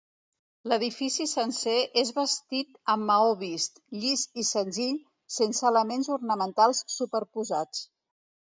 L'edifici sencer és vestit amb maó vist, llis i senzill, sense elements ornamentals superposats.